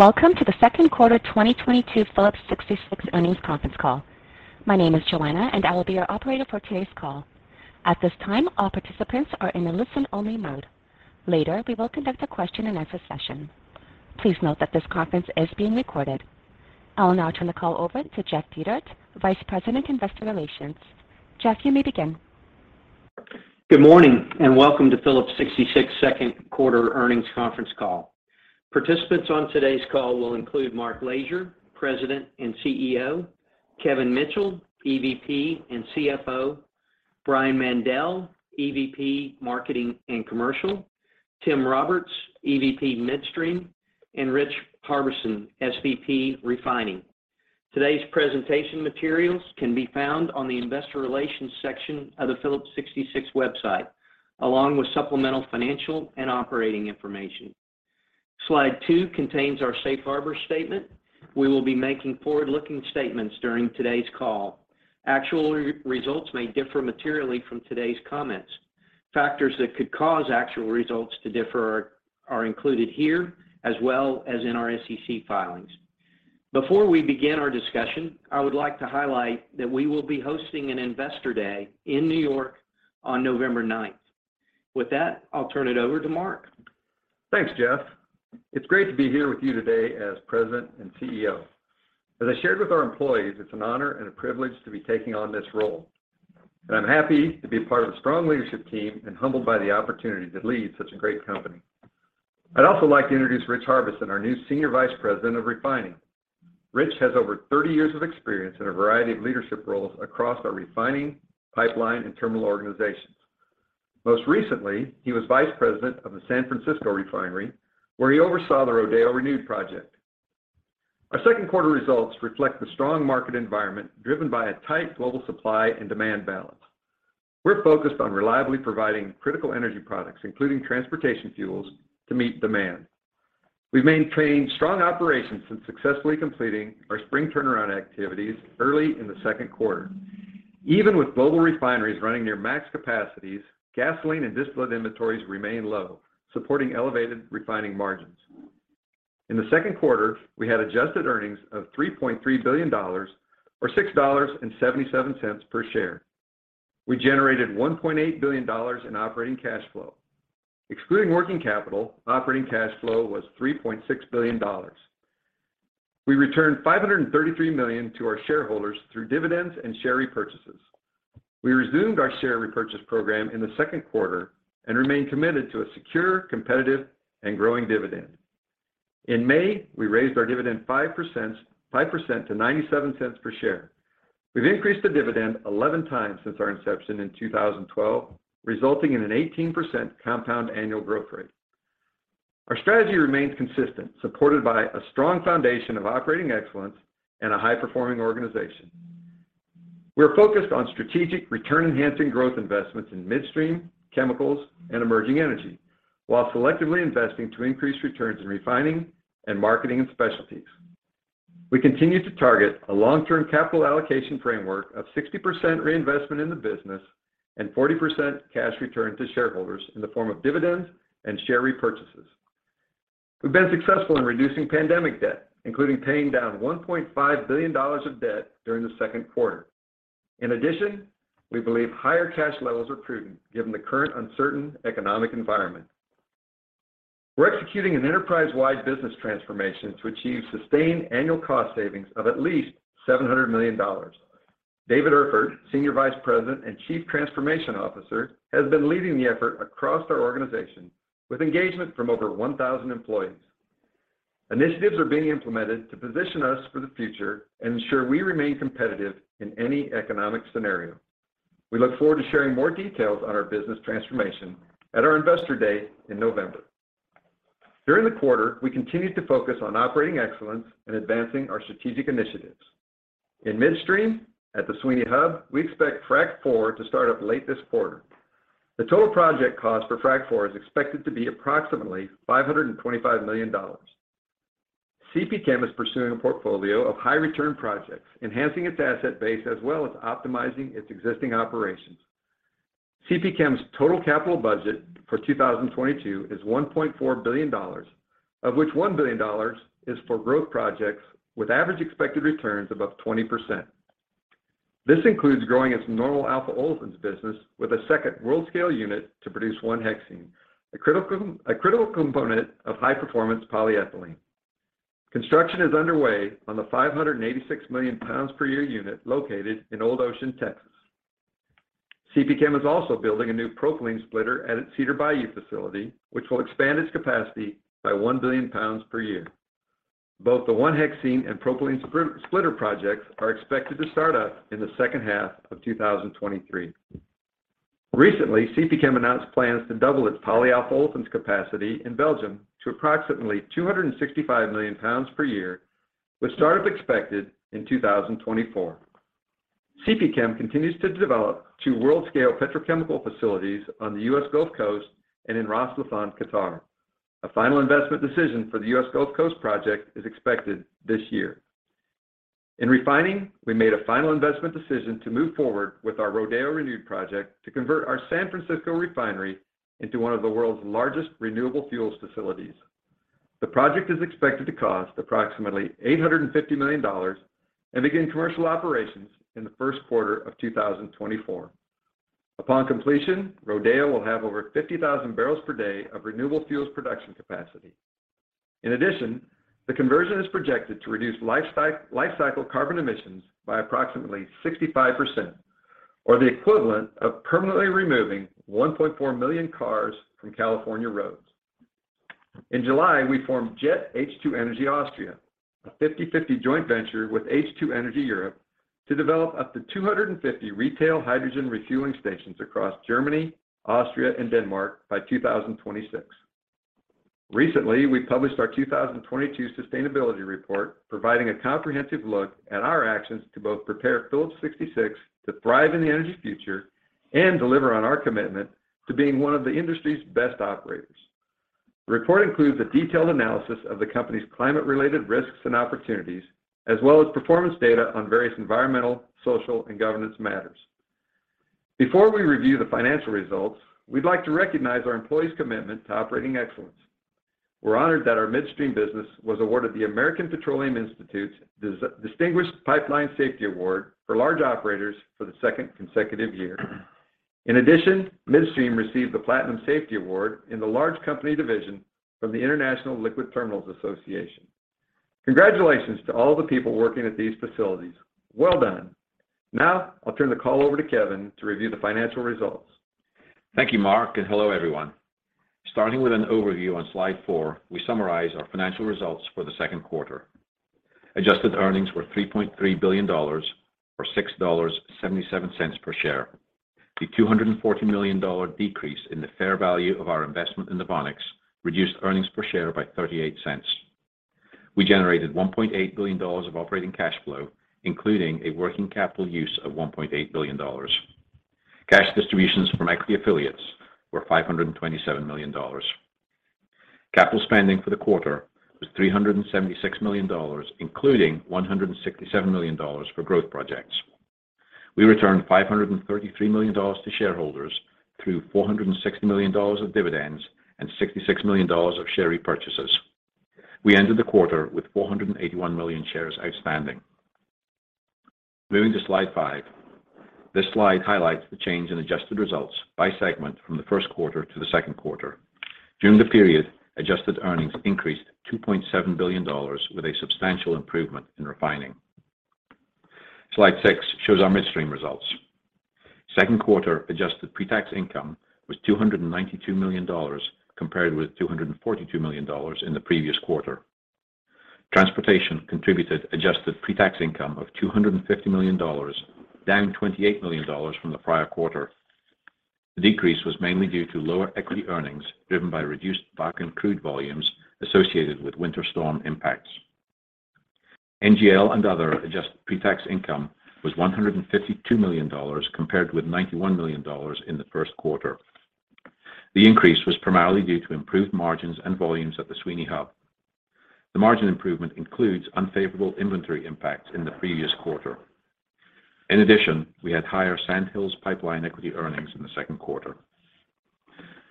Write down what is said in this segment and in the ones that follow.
Welcome to the second quarter 2022 Phillips 66 earnings conference call. My name is Joanna, and I will be your operator for today's call. At this time, all participants are in a listen-only mode. Later, we will conduct a question-and-answer session. Please note that this conference is being recorded. I will now turn the call over to Jeff Dietert, Vice President, Investor Relations. Jeff, you may begin. Good morning, and welcome to Phillips 66 second quarter earnings conference call. Participants on today's call will include Mark Lashier, President and CEO, Kevin Mitchell, EVP and CFO, Brian Mandell, EVP, Marketing and Commercial, Tim Roberts, EVP, Midstream, and Rich Harbison, SVP, Refining. Today's presentation materials can be found on the investor relations section of the Phillips 66 website, along with supplemental financial and operating information. Slide two contains our safe harbor statement. We will be making forward-looking statements during today's call. Actual results may differ materially from today's comments. Factors that could cause actual results to differ are included here as well as in our SEC filings. Before we begin our discussion, I would like to highlight that we will be hosting an Investor Day in New York on November ninth. With that, I'll turn it over to Mark. Thanks, Jeff. It's great to be here with you today as president and CEO. As I shared with our employees, it's an honor and a privilege to be taking on this role. I'm happy to be a part of a strong leadership team and humbled by the opportunity to lead such a great company. I'd also like to introduce Rich Harbison, our new Senior Vice President of Refining. Rich has over 30 years of experience in a variety of leadership roles across our refining, pipeline, and terminal organizations. Most recently, he was vice president of the San Francisco Refinery, where he oversaw the Rodeo Renewed project. Our second quarter results reflect the strong market environment driven by a tight global supply and demand balance. We're focused on reliably providing critical energy products, including transportation fuels to meet demand. We've maintained strong operations since successfully completing our spring turnaround activities early in the second quarter. Even with global refineries running near max capacities, gasoline and distillate inventories remain low, supporting elevated refining margins. In the second quarter, we had adjusted earnings of $3.3 billion or $6.77 per share. We generated $1.8 billion in operating cash flow. Excluding working capital, operating cash flow was $3.6 billion. We returned $533 million to our shareholders through dividends and share repurchases. We resumed our share repurchase program in the second quarter and remain committed to a secure, competitive, and growing dividend. In May, we raised our dividend 5% to 97 cents per share. We've increased the dividend 11x since our inception in 2012, resulting in an 18% compound annual growth rate. Our strategy remains consistent, supported by a strong foundation of operating excellence and a high-performing organization. We are focused on strategic return-enhancing growth investments in midstream, chemicals, and emerging energy while selectively investing to increase returns in refining and marketing and specialties. We continue to target a long-term capital allocation framework of 60% reinvestment in the business and 40% cash return to shareholders in the form of dividends and share repurchases. We've been successful in reducing pandemic debt, including paying down $1.5 billion of debt during the second quarter. In addition, we believe higher cash levels are prudent given the current uncertain economic environment. We're executing an enterprise-wide business transformation to achieve sustained annual cost savings of at least $700 million. David Erfert, Senior Vice President and Chief Transformation Officer, has been leading the effort across our organization with engagement from over 1,000 employees. Initiatives are being implemented to position us for the future and ensure we remain competitive in any economic scenario. We look forward to sharing more details on our business transformation at our Investor Day in November. During the quarter, we continued to focus on operating excellence and advancing our strategic initiatives. In midstream, at the Sweeny Hub, we expect Frac 4 to start up late this quarter. The total project cost for Frac 4 is expected to be approximately $525 million. CPChem is pursuing a portfolio of high return projects, enhancing its asset base as well as optimizing its existing operations. CPChem's total capital budget for 2022 is $1.4 billion, of which $1 billion is for growth projects with average expected returns above 20%. This includes growing its Normal Alpha Olefins business with a second world-scale unit to produce 1-hexene, a critical component of high-performance polyethylene. Construction is underway on the 586 million pounds per year unit located in Old Ocean, Texas. CPChem is also building a new Propylene Splitter at its Cedar Bayou facility, which will expand its capacity by 1 billion pounds per year. Both the 1-hexene and propylene splitter projects are expected to start up in the second half of 2023. Recently, CPChem announced plans to double its polyalphaolefins capacity in Belgium to approximately 265 million pounds per year, with startup expected in 2024. CPChem continues to develop two world-scale petrochemical facilities on the U.S. Gulf Coast and in Ras Laffan, Qatar. A final investment decision for the U.S. Gulf Coast project is expected this year. In refining, we made a final investment decision to move forward with our Rodeo Renewed project to convert our San Francisco refinery into one of the world's largest renewable fuels facilities. The project is expected to cost approximately $850 million and begin commercial operations in the first quarter of 2024. Upon completion, Rodeo will have over 50,000 barrels per day of renewable fuels production capacity. In addition, the conversion is projected to reduce life cycle carbon emissions by approximately 65%, or the equivalent of permanently removing 1.4 million cars from California roads. In July, we formed JET H2 Energy Austria, a 50/50 joint venture with H2 Energy Europe to develop up to 250 retail hydrogen refueling stations across Germany, Austria, and Denmark by 2026. Recently, we published our 2022 Sustainability Report, providing a comprehensive look at our actions to both prepare Phillips 66 to thrive in the energy future and deliver on our commitment to being one of the industry's best operators. The report includes a detailed analysis of the company's climate-related risks and opportunities, as well as performance data on various environmental, social, and governance matters. Before we review the financial results, we'd like to recognize our employees' commitment to operating excellence. We're honored that our midstream business was awarded the American Petroleum Institute's Distinguished Pipeline Safety Award for large operators for the second consecutive year. In addition, Midstream received the Platinum Safety Award in the large company division from the International Liquid Terminals Association. Congratulations to all the people working at these facilities. Well done. Now, I'll turn the call over to Kevin to review the financial results. Thank you, Mark, and hello, everyone. Starting with an overview on slide four, we summarize our financial results for the second quarter. Adjusted earnings were $3.3 billion, or $6.77 per share. The $240 million decrease in the fair value of our investment in NOVONIX reduced earnings per share by $0.38. We generated $1.8 billion of operating cash flow, including a working capital use of $1.8 billion. Cash distributions from equity affiliates were $527 million. Capital spending for the quarter was $376 million, including $167 million for growth projects. We returned $533 million to shareholders through $460 million of dividends and $66 million of share repurchases. We ended the quarter with 481 million shares outstanding. Moving to slide five. This slide highlights the change in adjusted results by segment from the first quarter to the second quarter. During the period, adjusted earnings increased $2.7 billion with a substantial improvement in refining. Slide six shows our midstream results. Second quarter adjusted pre-tax income was $292 million, compared with $242 million in the previous quarter. Transportation contributed adjusted pre-tax income of $250 million, down $28 million from the prior quarter. The decrease was mainly due to lower equity earnings driven by reduced dock and crude volumes associated with winter storm impacts. NGL and other adjusted pre-tax income was $152 million compared with $91 million in the first quarter. The increase was primarily due to improved margins and volumes at the Sweeny Hub. The margin improvement includes unfavorable inventory impacts in the previous quarter. In addition, we had higher Sand Hills pipeline equity earnings in the second quarter.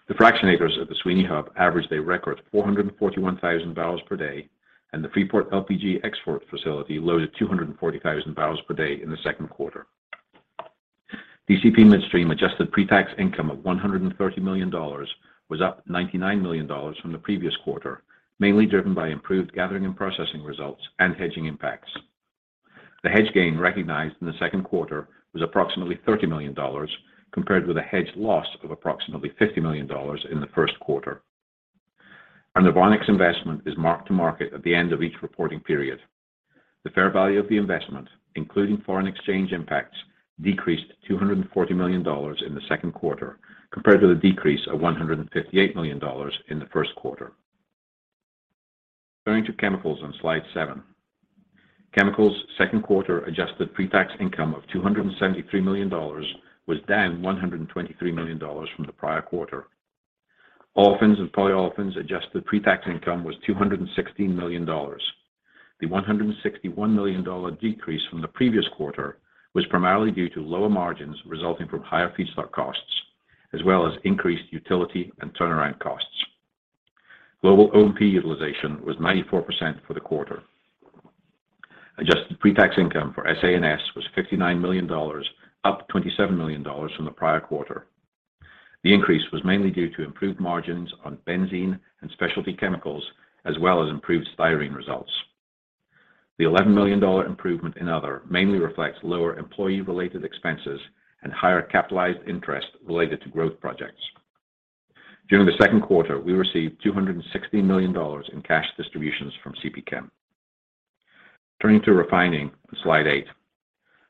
The fractionators at the Sweeny Hub averaged a record 441,000 barrels per day, and the Freeport LPG export facility loaded 240,000 barrels per day in the second quarter. DCP Midstream adjusted pre-tax income of $130 million was up $99 million from the previous quarter, mainly driven by improved gathering and processing results and hedging impacts. The hedge gain recognized in the second quarter was approximately $30 million compared with a hedged loss of approximately $50 million in the first quarter. Our NOVONIX investment is marked to market at the end of each reporting period. The fair value of the investment, including foreign exchange impacts, decreased $240 million in the second quarter compared to the decrease of $158 million in the first quarter. Turning to chemicals on slide seven. Chemicals second quarter adjusted pre-tax income of $273 million was down $123 million from the prior quarter. Olefins and Polyolefins adjusted pre-tax income was $216 million. The $161 million decrease from the previous quarter was primarily due to lower margins resulting from higher feedstock costs as well as increased utility and turnaround costs. Global O&P utilization was 94% for the quarter. Adjusted pre-tax income for SA&S was $59 million, up $27 million from the prior quarter. The increase was mainly due to improved margins on benzene and specialty chemicals as well as improved styrene results. The $11 million improvement in other mainly reflects lower employee-related expenses and higher capitalized interest related to growth projects. During the second quarter, we received $260 million in cash distributions from CPChem. Turning to Refining on slide eight.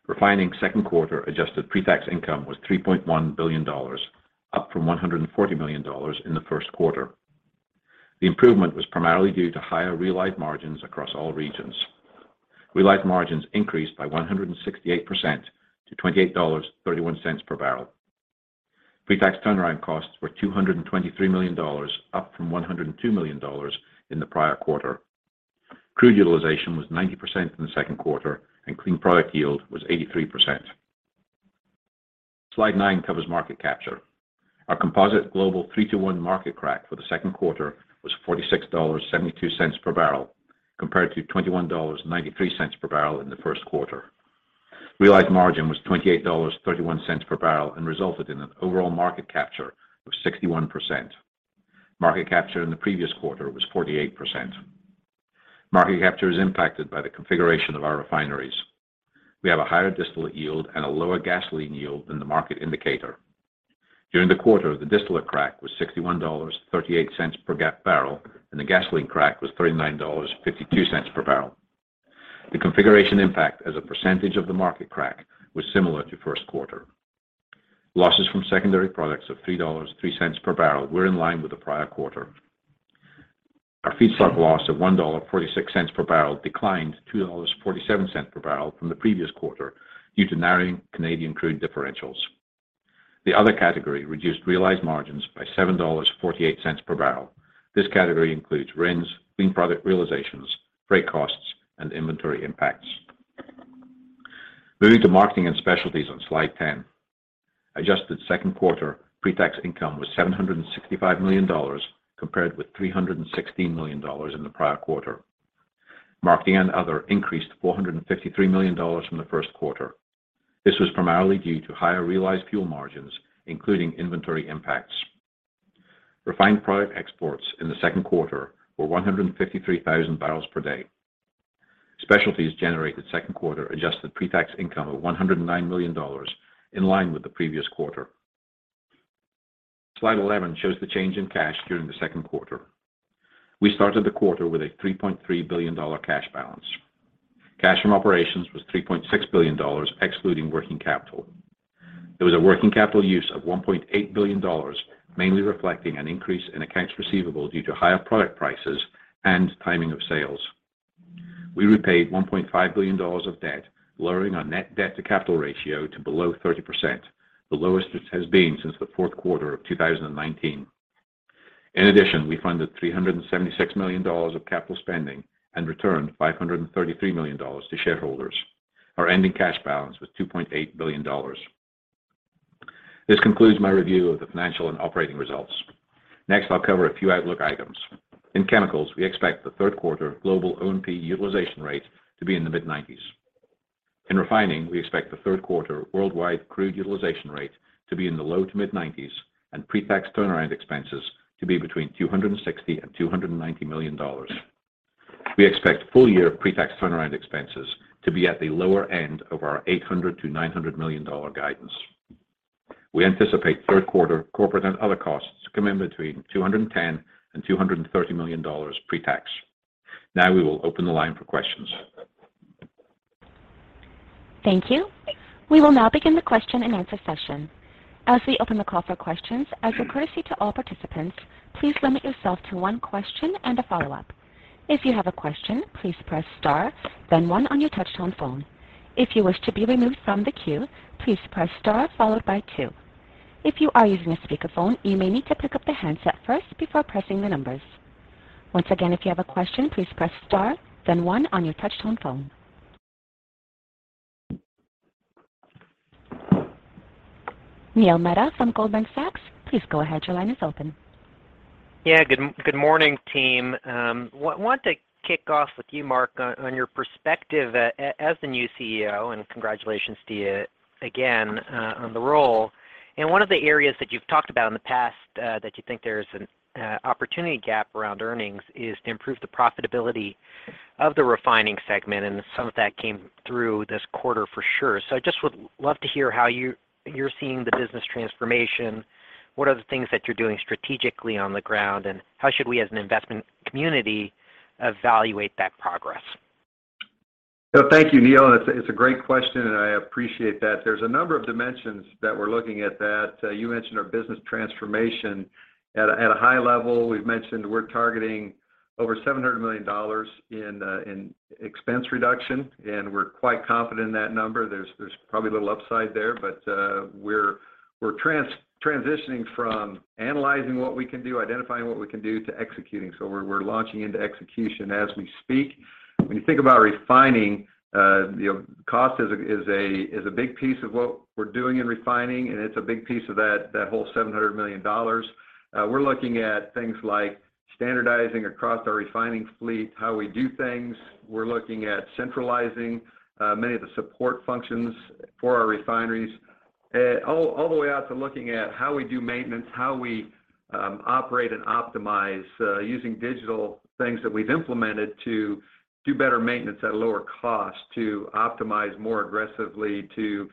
Refining second-quarter adjusted pre-tax income was $3.1 billion, up from $140 million in the first quarter. The improvement was primarily due to higher realized margins across all regions. Realized margins increased by 168% to $28.31 per barrel. Pre-tax turnaround costs were $223 million, up from $102 million in the prior quarter. Crude utilization was 90% in the second quarter, and clean product yield was 83%. Slide nine covers market capture. Our composite global 3-to-1 market crack for the second quarter was $46.72 per barrel, compared to $21.93 per barrel in the first quarter. Realized margin was $28.31 per barrel and resulted in an overall market capture of 61%. Market capture in the previous quarter was 48%. Market capture is impacted by the configuration of our refineries. We have a higher distillate yield and a lower gasoline yield than the market indicator. During the quarter, the distillate crack was $61.38 per barrel, and the gasoline crack was $39.52 per barrel. The configuration impact as a percentage of the market crack was similar to first quarter. Losses from secondary products of $3.03 per barrel were in line with the prior quarter. Our feedstock loss of $1.46 per barrel declined $2.47 per barrel from the previous quarter due to narrowing Canadian crude differentials. The other category reduced realized margins by $7.48 per barrel. This category includes RINs, clean product realizations, freight costs, and inventory impacts. Moving to marketing and specialties on slide 10. Adjusted second quarter pre-tax income was $765 million, compared with $316 million in the prior quarter. Marketing and other increased $453 million from the first quarter. This was primarily due to higher realized fuel margins, including inventory impacts. Refined product exports in the second quarter were 153,000 barrels per day. Specialties generated second quarter adjusted pre-tax income of $109 million in line with the previous quarter. Slide 11 shows the change in cash during the second quarter. We started the quarter with a $3.3 billion cash balance. Cash from operations was $3.6 billion, excluding working capital. There was a working capital use of $1.8 billion, mainly reflecting an increase in accounts receivable due to higher product prices and timing of sales. We repaid $1.5 billion of debt, lowering our net debt to capital ratio to below 30%, the lowest it has been since the fourth quarter of 2019. In addition, we funded $376 million of capital spending and returned $533 million to shareholders. Our ending cash balance was $2.8 billion. This concludes my review of the financial and operating results. Next, I'll cover a few outlook items. In chemicals, we expect the third quarter global O&P utilization rate to be in the mid-90s%. In refining, we expect the third quarter worldwide crude utilization rate to be in the low- to mid-90s% and pre-tax turnaround expenses to be between $260 million and $290 million. We expect full-year pre-tax turnaround expenses to be at the lower end of our $800 million-$900 million guidance. We anticipate third quarter corporate and other costs to come in between $210 million and $230 million pre-tax. Now we will open the line for questions. Thank you. We will now begin the question and answer session. As we open the call for questions, as a courtesy to all participants, please limit yourself to one question and a follow-up. If you have a question, please press star then one on your touch tone phone. If you wish to be removed from the queue, please press star followed by two. If you are using a speakerphone, you may need to pick up the handset first before pressing the numbers. Once again, if you have a question, please press star then one on your touch-tone phone. Neil Mehta from Goldman Sachs, please go ahead. Your line is open. Yeah. Good morning, team. Want to kick off with you, Mark, on your perspective as the new CEO, and congratulations to you again on the role. One of the areas that you've talked about in the past that you think there's an opportunity gap around earnings is to improve the profitability of the refining segment, and some of that came through this quarter for sure. I just would love to hear how you're seeing the business transformation. What are the things that you're doing strategically on the ground, and how should we as an investment community evaluate that progress? Thank you, Neil. It's a great question, and I appreciate that. There's a number of dimensions that we're looking at that you mentioned our business transformation. At a high level, we've mentioned we're targeting over $700 million in expense reduction, and we're quite confident in that number. There's probably a little upside there, but we're transitioning from analyzing what we can do, identifying what we can do to executing. We're launching into execution as we speak. When you think about refining, you know, cost is a big piece of what we're doing in refining, and it's a big piece of that whole $700 million. We're looking at things like standardizing across our refining fleet, how we do things. We're looking at centralizing many of the support functions for our refineries. All the way out to looking at how we do maintenance, how we operate and optimize using digital things that we've implemented to do better maintenance at a lower cost to optimize more aggressively to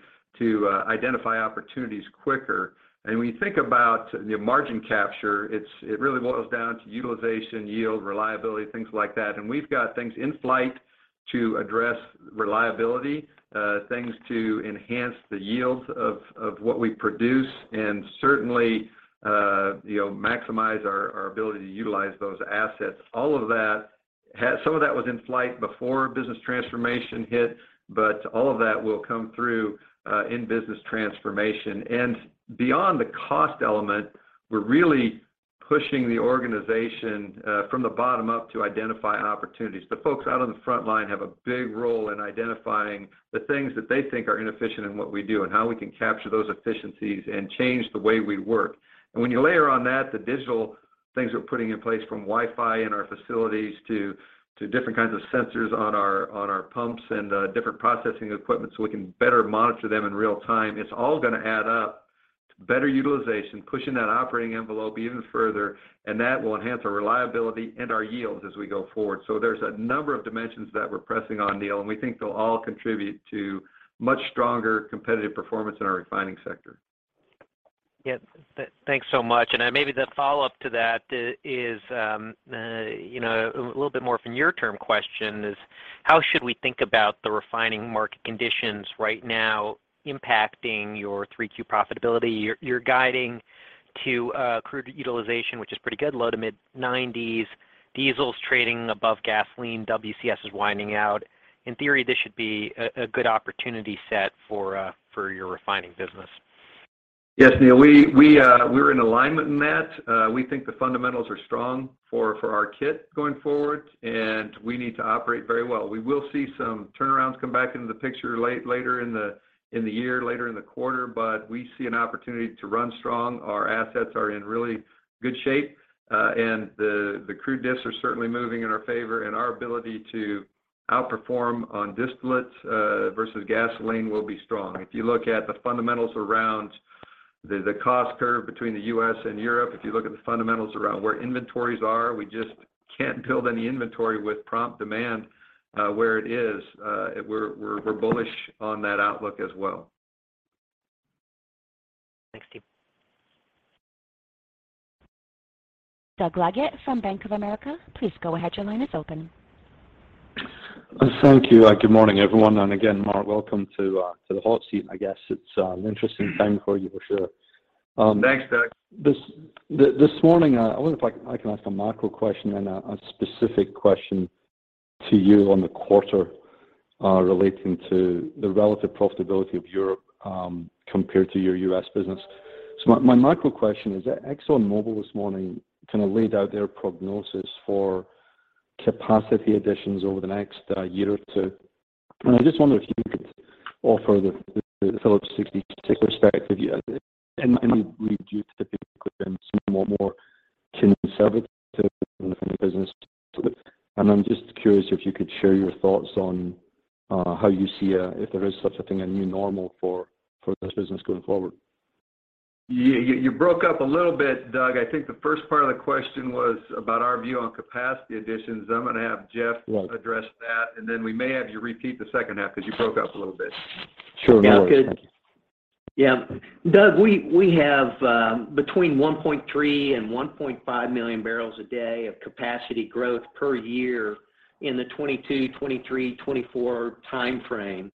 identify opportunities quicker. When you think about the margin capture, it really boils down to utilization, yield, reliability, things like that. We've got things in flight to address reliability, things to enhance the yields of what we produce and certainly you know, maximize our ability to utilize those assets. All of that Some of that was in flight before business transformation hit, but all of that will come through in business transformation. Beyond the cost element, we're really pushing the organization from the bottom up to identify opportunities. The folks out on the front line have a big role in identifying the things that they think are inefficient in what we do and how we can capture those efficiencies and change the way we work. When you layer on that, the digital things we're putting in place from Wi-Fi in our facilities to different kinds of sensors on our pumps and different processing equipment, so we can better monitor them in real time. It's all gonna add up to better utilization, pushing that operating envelope even further, and that will enhance our reliability and our yields as we go forward. There's a number of dimensions that we're pressing on, Neil, and we think they'll all contribute to much stronger competitive performance in our refining sector. Yeah. Thanks so much. Maybe the follow-up to that is, you know, a little bit more from your term question is, how should we think about the refining market conditions right now impacting your 3Q profitability? You're guiding to crude utilization, which is pretty good, low- to mid-90s%, diesel's trading above gasoline, WCS is widening out. In theory, this should be a good opportunity set for your refining business. Yes, Neil. We're in alignment in that. We think the fundamentals are strong for our kit going forward, and we need to operate very well. We will see some turnarounds come back into the picture later in the year, later in the quarter, but we see an opportunity to run strong. Our assets are in really good shape, and the crude diffs are certainly moving in our favor, and our ability to outperform on distillates versus gasoline will be strong. If you look at the fundamentals around the cost curve between the U.S. and Europe, if you look at the fundamentals around where inventories are, we just can't build any inventory with prompt demand where it is. We're bullish on that outlook as well. Thanks, team. Doug Leggate from Bank of America. Please go ahead. Your line is open. Thank you. Good morning, everyone. Again, Mark, welcome to the hot seat. I guess it's an interesting time for you for sure. Thanks, Doug. This morning, I wonder if I can ask a macro question and a specific question to you on the quarter, relating to the relative profitability of Europe, compared to your U.S. business. My macro question is, ExxonMobil this morning kinda laid out their prognosis for capacity additions over the next year or two. I just wonder if you could offer the Phillips 66 perspective and any read you think could be more conservative in the business. I'm just curious if you could share your thoughts on how you see, if there is such a thing, a new normal for this business going forward. You broke up a little bit, Doug. I think the first part of the question was about our view on capacity additions. I'm gonna have Jeff address that, and then we may have you repeat the second half 'cause you broke up a little bit. Sure. No worries. Thank you. Yeah. Doug, we have between 1.3 and 1.5 million barrels a day of capacity growth per year in the 2022, 2023, 2024 timeframe.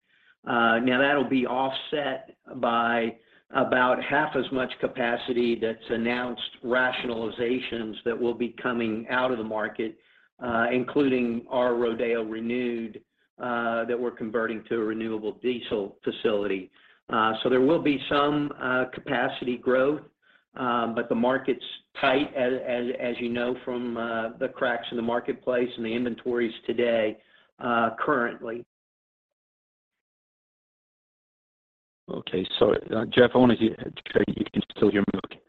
Now that'll be offset by about half as much capacity that's announced rationalizations that will be coming out of the market, including our Rodeo Renewed, that we're converting to a renewable diesel facility. There will be some capacity growth, but the market's tight as you know from the cracks in the marketplace and the inventories today, currently. Okay. Sorry. Jeff, I want to see if you can still hear me okay.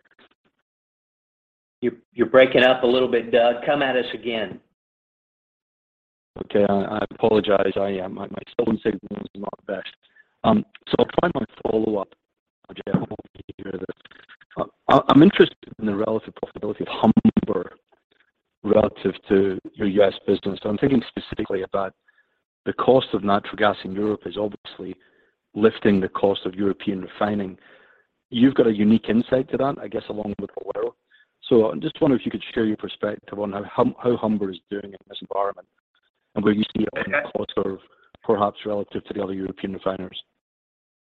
You're breaking up a little bit, Doug. Come at us again. Okay. I apologize. My phone signal is not the best. I'll try my follow-up. Jeff, I hope you can hear this. I'm interested in the relative profitability of Humber relative to your U.S. business. I'm thinking specifically about the cost of natural gas in Europe is obviously lifting the cost of European refining. You've got a unique insight to that, I guess, along with Powell. I'm just wondering if you could share your perspective on how Humber is doing in this environment and where you see it on the cost curve, perhaps relative to the other European refiners.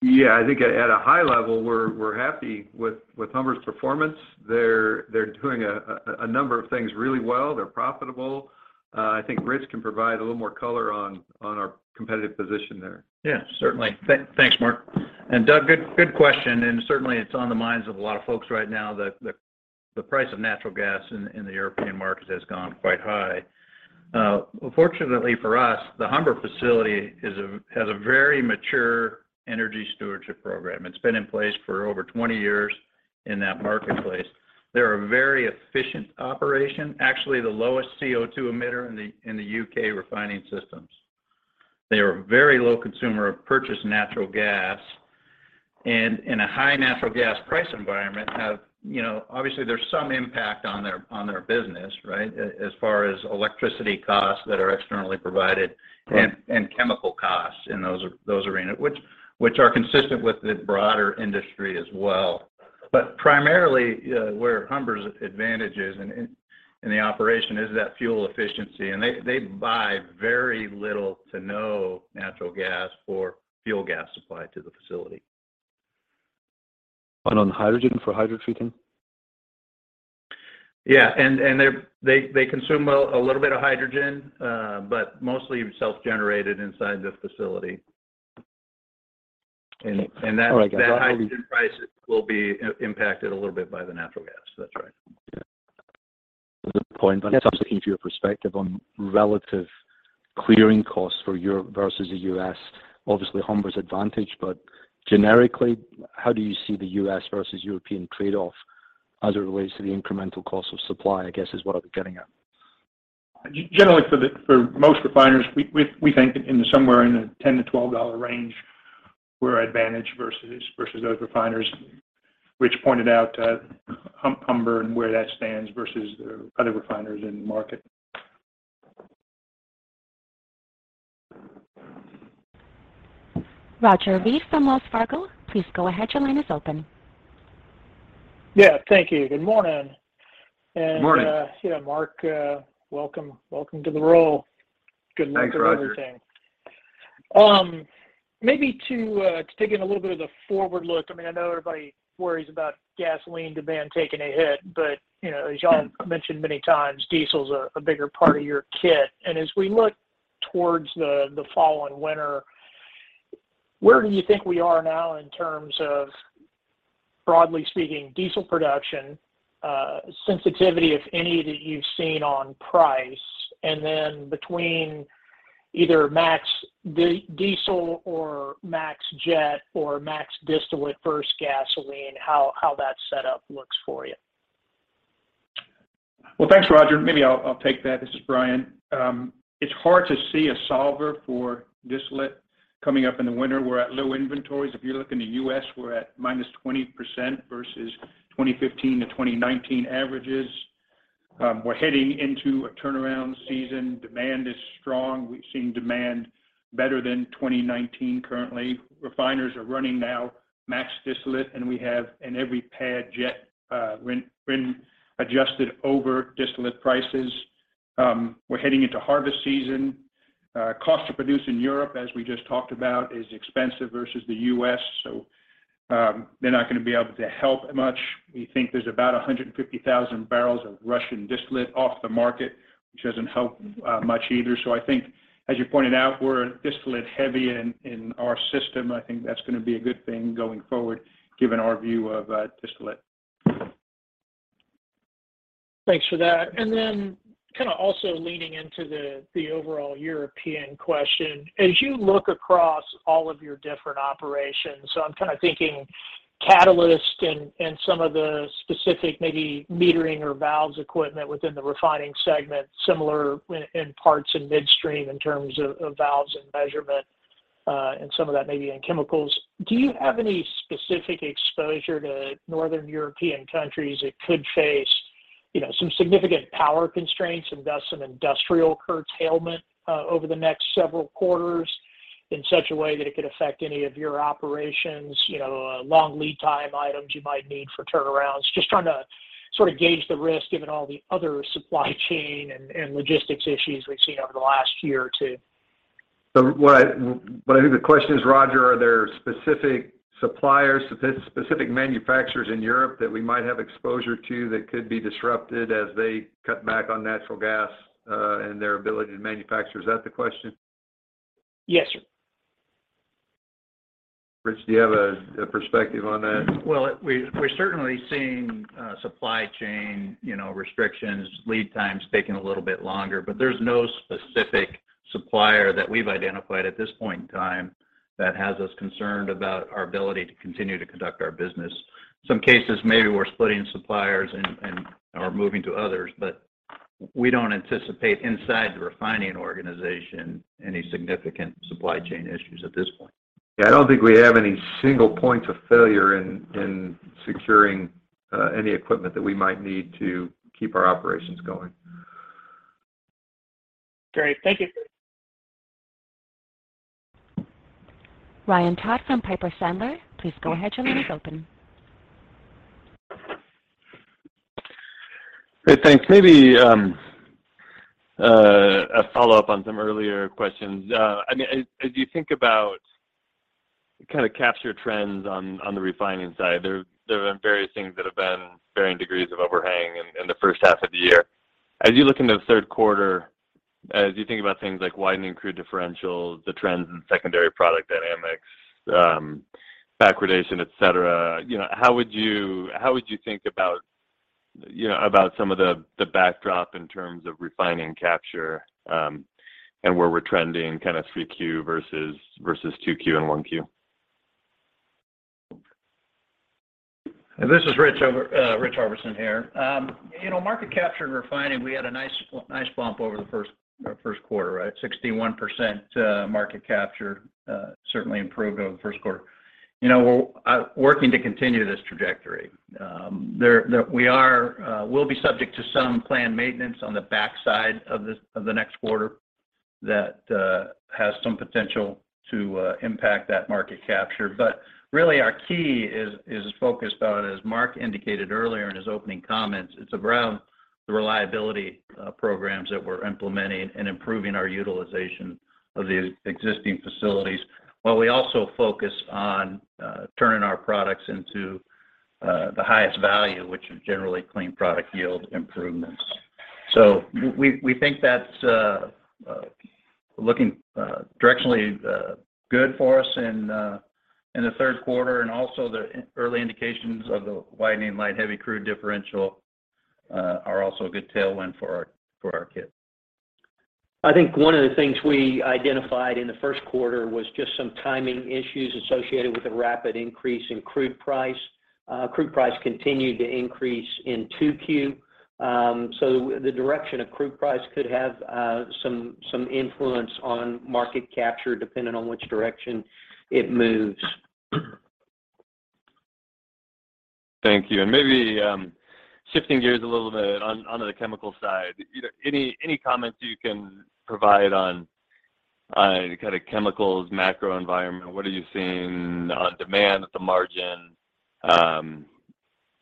Yeah. I think at a high level, we're happy with Humber's performance. They're doing a number of things really well. They're profitable. I think Rich can provide a little more color on our competitive position there. Yeah, certainly. Thanks, Mark. Doug, good question. Certainly it's on the minds of a lot of folks right now. The price of natural gas in the European market has gone quite high. Fortunately for us, the Humber facility has a very mature energy stewardship program. It's been in place for over 20 years in that marketplace. They're a very efficient operation, actually the lowest CO2 emitter in the U.K. refining systems. They are a very low consumer of purchased natural gas. In a high natural gas price environment, you know, obviously there's some impact on their business, right? As far as electricity costs that are externally provided and chemical costs in those arenas, which are consistent with the broader industry as well. Primarily, where Humber's advantage is in the operation is that fuel efficiency. They buy very little to no natural gas or fuel gas supply to the facility. On hydrogen for hydrotreating? Yeah. They consume a little bit of hydrogen, but mostly self-generated inside the facility. That hydrogen price will be impacted a little bit by the natural gas. That's right. Yeah. Good point. I guess I'm just looking for your perspective on relative clearing costs for Europe versus the U.S. Obviously, Humber's advantage. Generically, how do you see the U.S. versus European trade-off as it relates to the incremental cost of supply, I guess, is what I'm getting at. Generally, for most refiners, we think somewhere in the $10-$12 range, we're advantaged versus those refiners. Rich pointed out Humber and where that stands versus the other refiners in the market. Roger Read from Wells Fargo, please go ahead. Your line is open. Yeah, thank you. Good morning. Good morning. Yeah, Mark, welcome to the role. Good luck with everything. Thanks, Roger. Maybe to take in a little bit of the forward look. I mean, I know everybody worries about gasoline demand taking a hit, but, you know, as y'all mentioned many times, diesel's a bigger part of your kit. As we look towards the fall and winter, where do you think we are now in terms of, broadly speaking, diesel production, sensitivity, if any, that you've seen on price? Between either max diesel or max jet or max distillate versus gasoline, how that setup looks for you? Well, thanks, Roger. Maybe I'll take that. This is Brian. It's hard to see a solution for distillate coming up in the winter. We're at low inventories. If you look in the U.S., we're at minus 20% versus 2015-2019 averages. We're heading into a turnaround season. Demand is strong. We've seen demand better than 2019 currently. Refiners are running now max distillate, and we have in every PADD jet when adjusted over distillate prices. We're heading into harvest season. Cost to produce in Europe, as we just talked about, is expensive versus the U.S., so they're not gonna be able to help much. We think there's about 150,000 barrels of Russian distillate off the market, which doesn't help much either. I think as you pointed out, we're distillate heavy in our system. I think that's gonna be a good thing going forward given our view of distillate. Thanks for that. Then kind of also leaning into the overall European question. As you look across all of your different operations, so I'm kind of thinking catalyst and some of the specific maybe metering or valves equipment within the refining segment, similar in parts and midstream in terms of valves and measurement, and some of that may be in chemicals. Do you have any specific exposure to Northern European countries that could face, you know, some significant power constraints and thus some industrial curtailment over the next several quarters in such a way that it could affect any of your operations? You know, long lead time items you might need for turnarounds. Just trying to sort of gauge the risk given all the other supply chain and logistics issues we've seen over the last year or two. What I think the question is, Roger, are there specific suppliers, specific manufacturers in Europe that we might have exposure to that could be disrupted as they cut back on natural gas, and their ability to manufacture? Is that the question? Yes, sir. Rich, do you have a perspective on that? Well, we're certainly seeing supply chain, you know, restrictions, lead times taking a little bit longer. There's no specific supplier that we've identified at this point in time that has us concerned about our ability to continue to conduct our business. Some cases, maybe we're splitting suppliers and are moving to others, but we don't anticipate inside the refining organization any significant supply chain issues at this point. Yeah, I don't think we have any single points of failure in securing any equipment that we might need to keep our operations going. Great. Thank you. Ryan Todd from Piper Sandler, please go ahead. Your line is open. Great. Thanks. Maybe a follow-up on some earlier questions. I mean, as you think about kind of capture trends on the refining side, there have been various things that have been varying degrees of overhang in the first half of the year. As you look into the third quarter, as you think about things like widening crude differentials, the trends in secondary product dynamics, backwardation, et cetera, you know, how would you think about, you know, about some of the backdrop in terms of refining capture, and where we're trending kind of 3Q versus 2Q and 1Q? This is Rich Harbison here. You know, market capture and refining, we had a nice bump over the first quarter, right? 61% market capture certainly improved over the first quarter. You know, we're working to continue this trajectory. We are, we'll be subject to some planned maintenance on the backside of the next quarter that has some potential to impact that market capture. But really our key is focused on, as Mark indicated earlier in his opening comments, it's around The reliability programs that we're implementing and improving our utilization of the existing facilities, while we also focus on turning our products into the highest value, which is generally clean product yield improvements. We think that's looking directionally good for us in the third quarter and also the early indications of the widening light-heavy crude differential are also a good tailwind for our kit. I think one of the things we identified in the first quarter was just some timing issues associated with the rapid increase in crude price. Crude price continued to increase in 2Q. The direction of crude price could have some influence on market capture depending on which direction it moves. Thank you. Maybe shifting gears a little bit on to the chemical side. You know, any comments you can provide on kind of chemicals macro environment? What are you seeing on demand at the margin?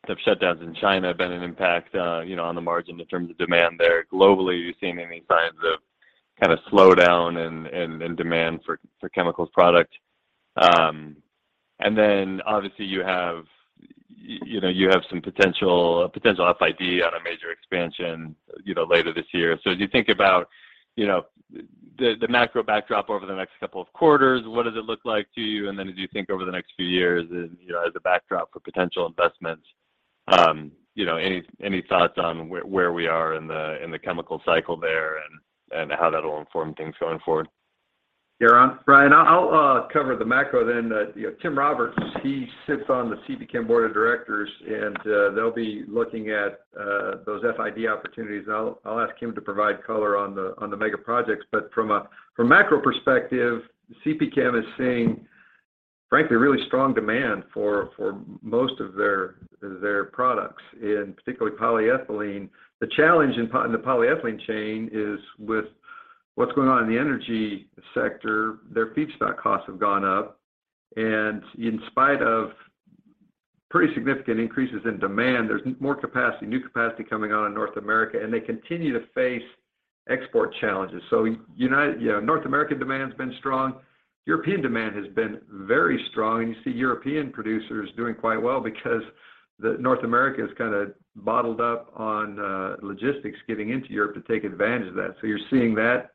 Have shutdowns in China been an impact, you know, on the margin in terms of demand there? Globally, are you seeing any signs of kind of slowdown in demand for chemicals product? Then obviously you have, you know, you have some potential FID on a major expansion, you know, later this year. As you think about, you know, the macro backdrop over the next couple of quarters, what does it look like to you? Then as you think over the next few years and, you know, as a backdrop for potential investments, you know, any thoughts on where we are in the chemical cycle there and how that'll inform things going forward? Yeah. Ryan, I'll cover the macro then. You know, Tim Roberts, he sits on the CPChem board of directors, and they'll be looking at those FID opportunities. I'll ask him to provide color on the mega projects. From a macro perspective, CPChem is seeing, frankly, really strong demand for most of their products, in particularly polyethylene. The challenge in the polyethylene chain is with what's going on in the energy sector, their feedstock costs have gone up. In spite of pretty significant increases in demand, there's more capacity, new capacity coming on in North America, and they continue to face export challenges. North American demand's been strong. European demand has been very strong. You see European producers doing quite well because North America is kind of bottled up on logistics getting into Europe to take advantage of that. You're seeing that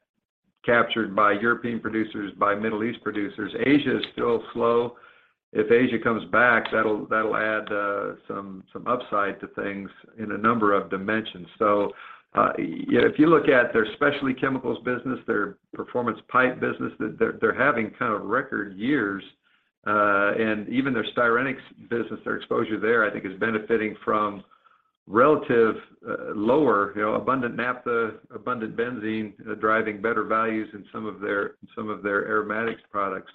captured by European producers, by Middle East producers. Asia is still slow. If Asia comes back, that'll add some upside to things in a number of dimensions. Yeah, if you look at their specialty chemicals business, their performance pipe business, they're having kind of record years. And even their styrenics business, their exposure there, I think is benefiting from relative lower, you know, abundant naphtha, abundant benzene driving better values in some of their aromatics products.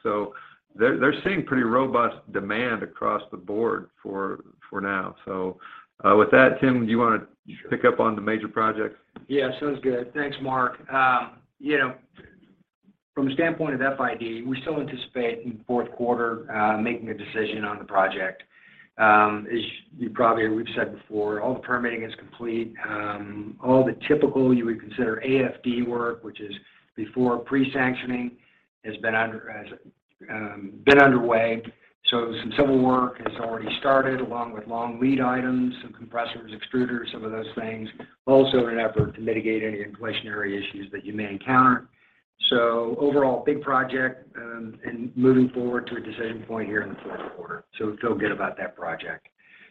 They're seeing pretty robust demand across the board for now. With that, Tim, do you want to pick up on the major projects? Yeah. Sounds good. Thanks, Mark. You know, from a standpoint of FID, we still anticipate in fourth quarter making a decision on the project. Or we've said before, all the permitting is complete. All the typical you would consider AFD work, which is before pre-sanctioning, has been underway. Some civil work has already started along with long lead items, some compressors, extruders, some of those things. Also in an effort to mitigate any inflationary issues that you may encounter. Overall, big project, and moving forward to a decision point here in the fourth quarter. Feel good about that project.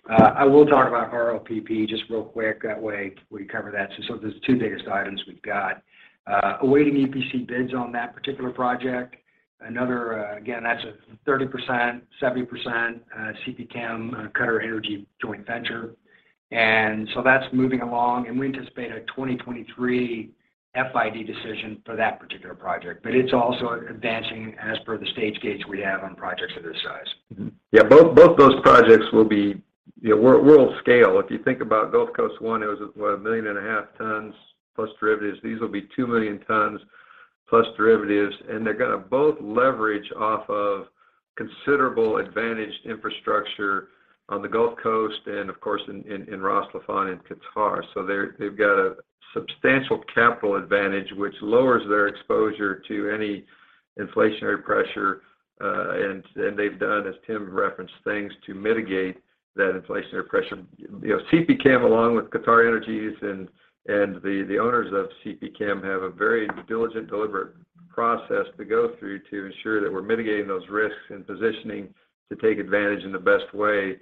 I will talk about ROPP just real quick. That way we cover that. There's the two biggest items we've got. Awaiting EPC bids on that particular project. Another, again, that's a 30%, 70% CPChem, QatarEnergy joint venture. That's moving along. We anticipate a 2023 FID decision for that particular project. It's also advancing as per the stage gates we have on projects of this size. Yeah. Both those projects will be world scale. If you think about Gulf Coast one, it was what? 1.5 million tons plus derivatives. These will be 2 million tons plus derivatives, and they're gonna both leverage off of considerable advantaged infrastructure on the Gulf Coast and of course in Ras Laffan in Qatar. They've got a substantial capital advantage, which lowers their exposure to any inflationary pressure. They've done, as Tim referenced, things to mitigate that inflationary pressure. CPChem along with QatarEnergy and the owners of CPChem have a very diligent, deliberate process to go through to ensure that we're mitigating those risks and positioning to take advantage in the best way,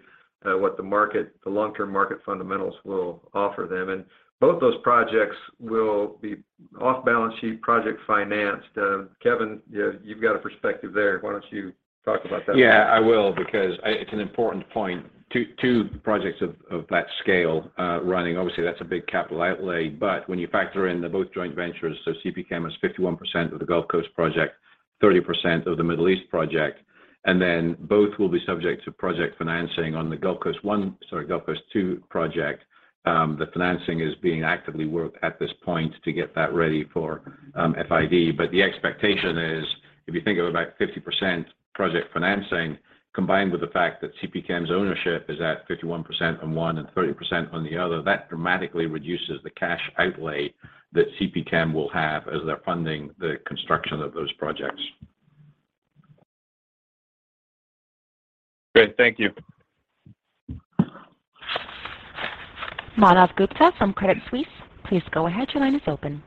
what the market, the long-term market fundamentals will offer them. Both those projects will be off-balance-sheet project-financed. Kevin, you've got a perspective there. Why don't you talk about that? Yeah, I will because it's an important point. Two projects of that scale running, obviously that's a big capital outlay. When you factor in they're both joint ventures, so CPChem has 51% of the Gulf Coast project, 30% of the Middle East project. Then both will be subject to project financing on the Gulf Coast two project, the financing is being actively worked at this point to get that ready for FID. The expectation is if you think of about 50% project financing combined with the fact that CPChem's ownership is at 51% on one and 30% on the other, that dramatically reduces the cash outlay that CPChem will have as they're funding the construction of those projects. Great. Thank you. Manav Gupta from Credit Suisse, please go ahead. Your line is open.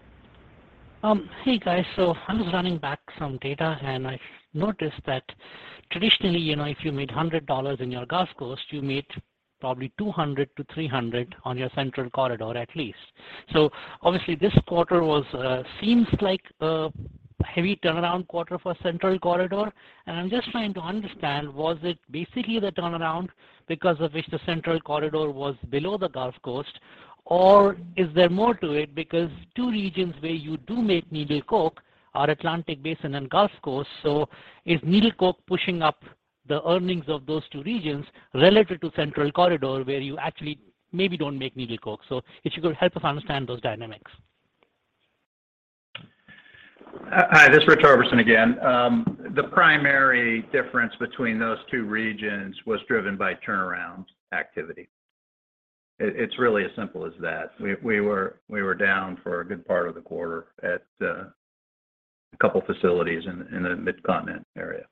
Hey, guys. I was running back some data, and I noticed that traditionally, you know, if you made $100 million in your Gulf Coast, you made probably $200 million-$300 million on your Central Corridor at least. Obviously, this quarter seems like a heavy turnaround quarter for Central Corridor. I'm just trying to understand, was it basically the turnaround because of which the Central Corridor was below the Gulf Coast? Or is there more to it? Because two regions where you do make needle coke are Atlantic Basin and Gulf Coast. Is needle coke pushing up the earnings of those two regions relative to Central Corridor, where you actually maybe don't make needle coke? If you could help us understand those dynamics. Hi, this is Rich Harbison again. The primary difference between those two regions was driven by turnaround activity. It's really as simple as that. We were down for a good part of the quarter at a couple facilities in the Mid-Continent area.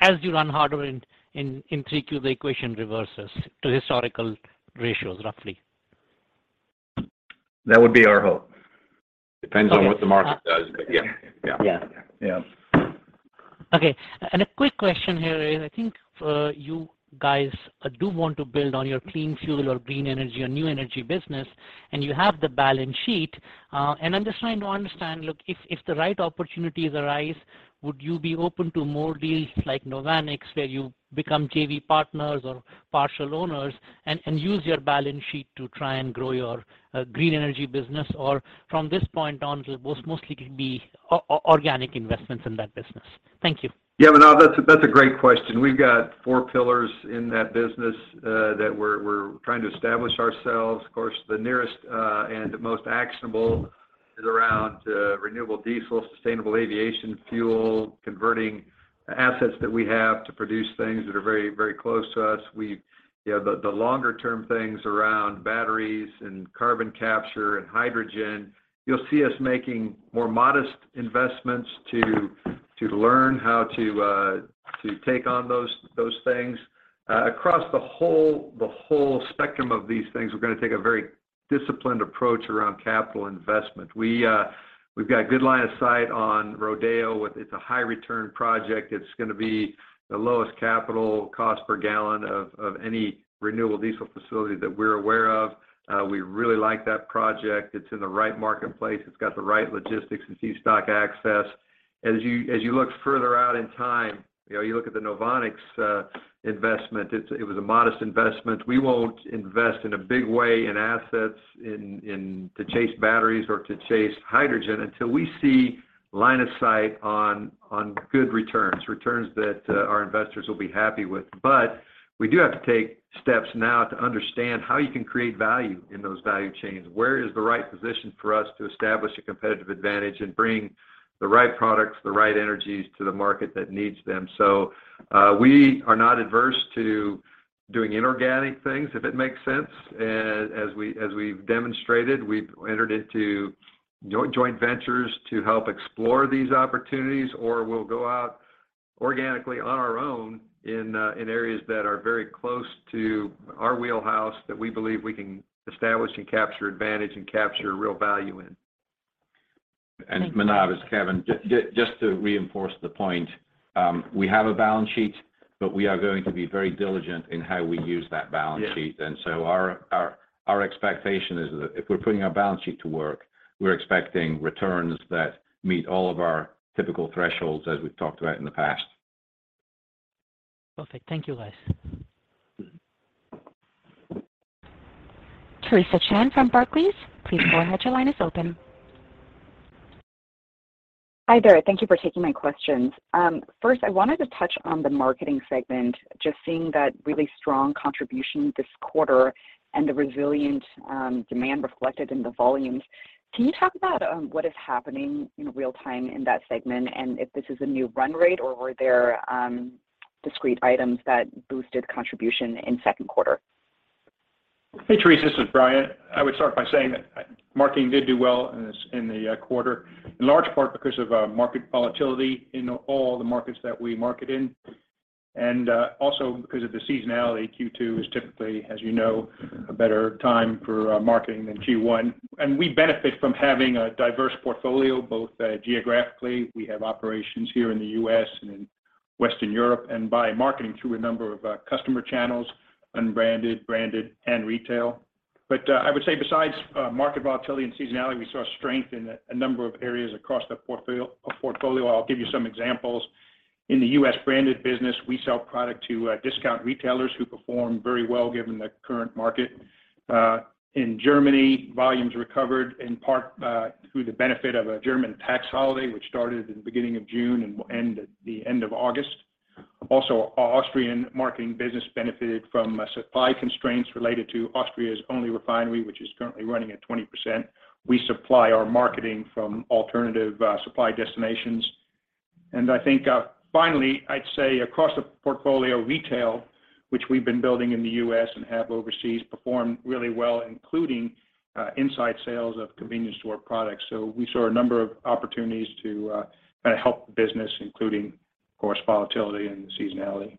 As you run harder in 3Q, the equation reverses to historical ratios, roughly? That would be our hope. Depends on what the market does, but yeah. Okay. A quick question here is, I think for you guys do want to build on your clean fuel or green energy or new energy business, and you have the balance sheet. I'm just trying to understand, look, if the right opportunities arise, would you be open to more deals like NOVONIX, where you become JV partners or partial owners and use your balance sheet to try and grow your green energy business? Or from this point on, it will mostly be organic investments in that business? Thank you. Yeah. Manav, that's a great question. We've got four pillars in that business that we're trying to establish ourselves. Of course, the nearest and most actionable is around renewable diesel, sustainable aviation fuel, converting assets that we have to produce things that are very, very close to us. You know, the longer term things around batteries and carbon capture and hydrogen, you'll see us making more modest investments to learn how to take on those things. Across the whole spectrum of these things, we're gonna take a very disciplined approach around capital investment. We've got good line of sight on Rodeo. It's a high return project. It's gonna be the lowest capital cost per gallon of any renewable diesel facility that we're aware of. We really like that project. It's in the right marketplace. It's got the right logistics and C stock access. As you look further out in time, you know, you look at the NOVONIX investment, it was a modest investment. We won't invest in a big way in assets to chase batteries or to chase hydrogen until we see line of sight on good returns that our investors will be happy with. But we do have to take steps now to understand how you can create value in those value chains. Where is the right position for us to establish a competitive advantage and bring the right products, the right energies to the market that needs them? We are not adverse to doing inorganic things, if it makes sense. As we've demonstrated, we've entered into joint ventures to help explore these opportunities, or we'll go out organically on our own in areas that are very close to our wheelhouse that we believe we can establish and capture advantage and capture real value in. Manav, it's Kevin. Just to reinforce the point, we have a balance sheet, but we are going to be very diligent in how we use that balance sheet. Our expectation is that if we're putting our balance sheet to work, we're expecting returns that meet all of our typical thresholds as we've talked about in the past. Perfect. Thank you, guys. Theresa Chen from Barclays, please go ahead. Your line is open. Hi, there. Thank you for taking my questions. First, I wanted to touch on the marketing segment, just seeing that really strong contribution this quarter and the resilient, demand reflected in the volumes. Can you talk about, what is happening in real time in that segment, and if this is a new run rate or were there, discrete items that boosted contribution in second quarter? Hey, Theresa, this is Brian. I would start by saying that marketing did do well in this quarter, in large part because of market volatility in all the markets that we market in. Also because of the seasonality, Q2 is typically, as you know, a better time for marketing than Q1. We benefit from having a diverse portfolio, both geographically, we have operations here in the U.S. and in Western Europe, and by marketing through a number of customer channels, unbranded, branded and retail. I would say besides market volatility and seasonality, we saw strength in a number of areas across the portfolio. I'll give you some examples. In the U.S. branded business, we sell product to discount retailers who perform very well given the current market. In Germany, volumes recovered in part through the benefit of a German tax holiday, which started in the beginning of June and will end at the end of August. Also, our Austrian marketing business benefited from supply constraints related to Austria's only refinery, which is currently running at 20%. We supply our marketing from alternative supply destinations. I think finally, I'd say across the portfolio retail, which we've been building in the U.S. and have overseas, performed really well, including inside sales of convenience store products. We saw a number of opportunities to kind of help the business, including, of course, volatility and seasonality.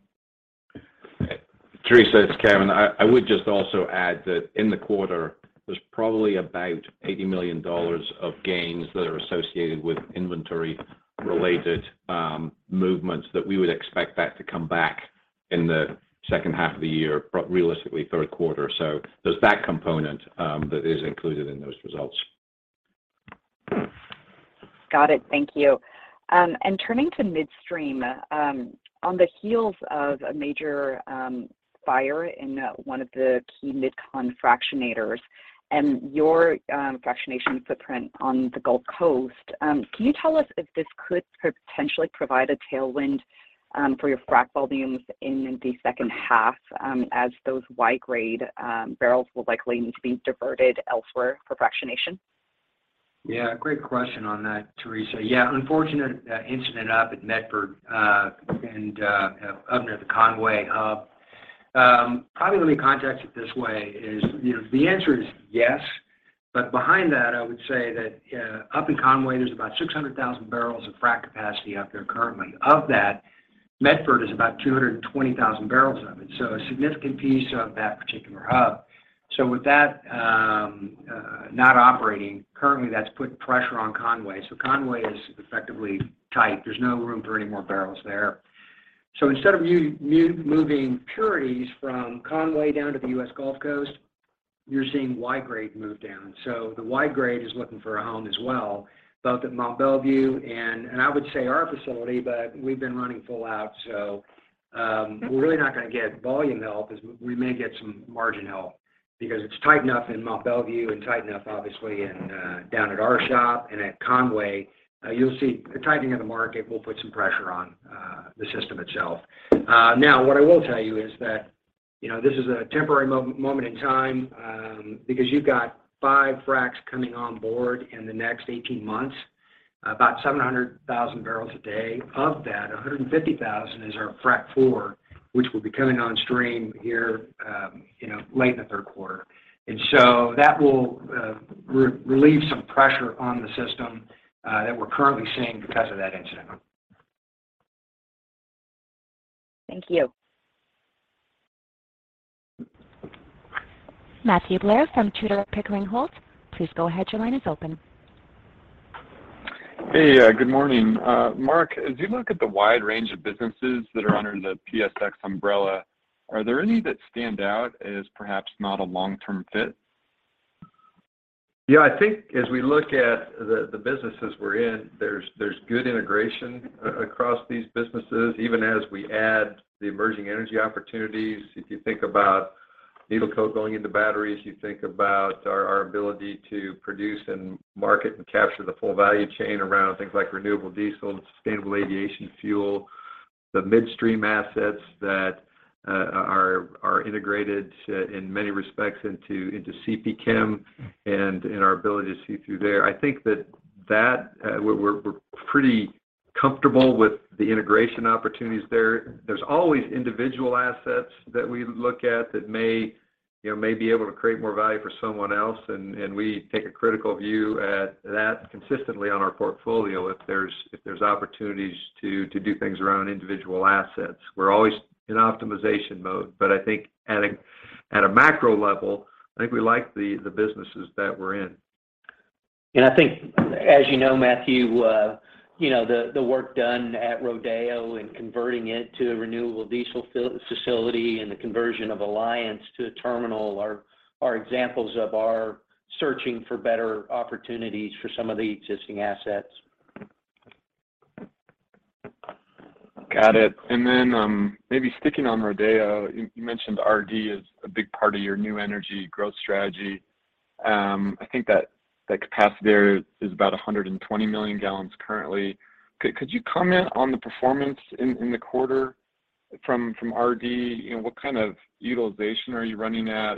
Theresa, it's Kevin. I would just also add that in the quarter, there's probably about $80 million of gains that are associated with inventory-related movements that we would expect that to come back in the second half of the year, realistically third quarter. There's that component that is included in those results. Got it. Thank you. Turning to midstream, on the heels of a major fire in one of the key Mid-Con fractionators and your fractionation footprint on the Gulf Coast, can you tell us if this could potentially provide a tailwind for your frac volumes in the second half, as those Y-grade barrels will likely need to be diverted elsewhere for fractionation? Yeah, great question on that, Theresa. Yeah, unfortunate incident up at Medford and up near the Conway hub. Probably let me contextualize it this way. You know, the answer is yes. Behind that, I would say that up in Conway, there's about 600,000 barrels of frac capacity up there currently. Of that, Medford is about 220,000 barrels of it, so a significant piece of that particular hub. With that not operating currently, that's put pressure on Conway. Conway is effectively tight. There's no room for any more barrels there. Instead of moving purities from Conway down to the U.S. Gulf Coast, you're seeing Y-grade move down. The Y-grade is looking for a home as well, both at Mont Belvieu and I would say our facility, but we've been running full out. We're really not gonna get volume help as we may get some margin help because it's tight enough in Mont Belvieu and tight enough obviously in down at our shop and at Conway. You'll see the tightening of the market will put some pressure on the system itself. Now what I will tell you is that, you know, this is a temporary moment in time because you've got five fracs coming on board in the next 18 months, about 700,000 barrels a day. Of that, 150,000 is our Frac 4, which will be coming on stream here, you know, late in the third quarter. That will relieve some pressure on the system that we're currently seeing because of that incident. Thank you. Matthew Blair from Tudor, Pickering, Holt & Co. Please go ahead. Your line is open. Hey, good morning. Mark, as you look at the wide range of businesses that are under the PSX umbrella, are there any that stand out as perhaps not a long-term fit? Yeah, I think as we look at the businesses we're in, there's good integration across these businesses, even as we add the emerging energy opportunities. If you think about needle coke going into batteries, you think about our ability to produce and market and capture the full value chain around things like renewable diesel and sustainable aviation fuel. The midstream assets that are integrated in many respects into CPChem and in our ability to see through there. I think that we're pretty comfortable with the integration opportunities there. There's always individual assets that we look at that may, you know, may be able to create more value for someone else, and we take a critical view at that consistently on our portfolio if there's opportunities to do things around individual assets. We're always in optimization mode. I think at a macro level, I think we like the businesses that we're in. I think as you know, Matthew, you know, the work done at Rodeo and converting it to a renewable diesel facility and the conversion of Alliance to a terminal are examples of our searching for better opportunities for some of the existing assets. Got it. Maybe sticking on Rodeo, you mentioned RD is a big part of your new energy growth strategy. I think that the capacity there is about 120 million gallons currently. Could you comment on the performance in the quarter from RD? You know, what kind of utilization are you running at?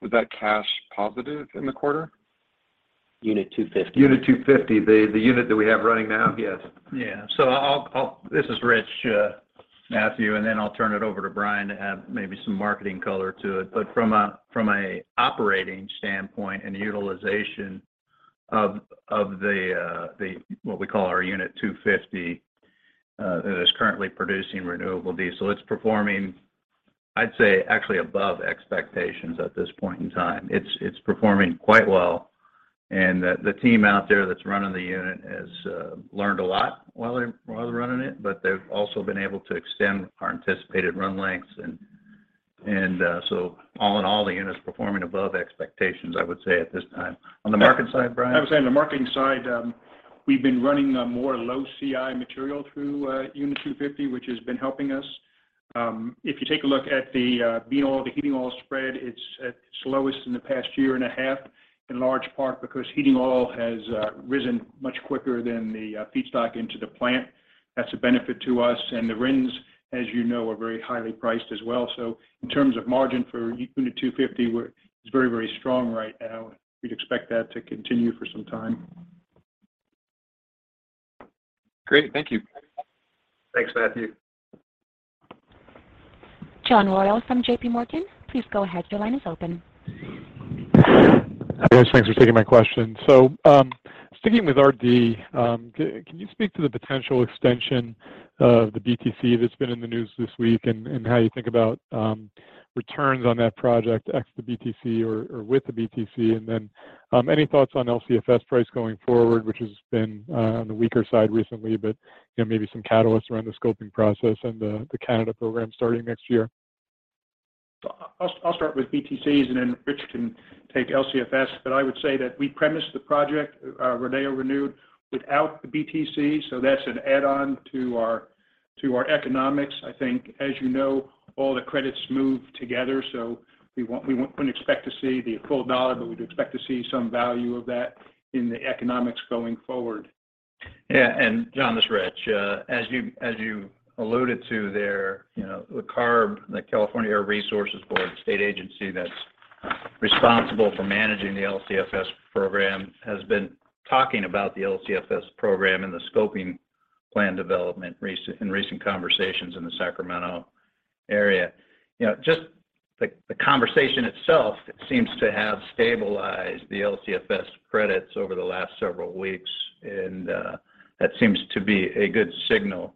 Was that cash positive in the quarter? Unit 250. Unit 250. The unit that we have running now? Yes. This is Rich, Matthew, and then I'll turn it over to Brian to add maybe some marketing color to it. From a operating standpoint and utilization of the what we call our Unit 250 that is currently producing renewable diesel, it's performing, I'd say, actually above expectations at this point in time. It's performing quite well. All in all, the unit's performing above expectations, I would say at this time. On the market side, Brian? I would say on the marketing side, we've been running a more low CI material through Unit 250, which has been helping us. If you take a look at the bean oil, the heating oil spread, it's at its lowest in the past year and a half, in large part because heating oil has risen much quicker than the feedstock into the plant. That's a benefit to us. The RINs, as you know, are very highly priced as well. In terms of margin for Unit 250, it's very, very strong right now. We'd expect that to continue for some time. Great. Thank you. Thanks, Matthew. John Royall from JPMorgan. Please go ahead. Your line is open. Yes, thanks for taking my question. Sticking with RD, can you speak to the potential extension of the BTC that's been in the news this week and how you think about returns on that project ex the BTC or with the BTC? Any thoughts on LCFS price going forward, which has been on the weaker side recently, but maybe some catalysts around the scoping process and the Canada program starting next year? I'll start with BTCs, and then Rich can take LCFS. I would say that we premised the project, Rodeo Renewed without the BTC, so that's an add-on to our economics. I think as you know, all the credits move together, so we wouldn't expect to see the full dollar, but we'd expect to see some value of that in the economics going forward. Yeah. John, this is Rich. As you alluded to there, you know, the CARB, the California Air Resources Board, state agency that's responsible for managing the LCFS program, has been talking about the LCFS program and the scoping plan development in recent conversations in the Sacramento area. You know, just the conversation itself seems to have stabilized the LCFS credits over the last several weeks, and that seems to be a good signal.